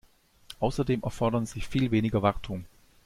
Außerdem erfordern sie viel weniger Wartung.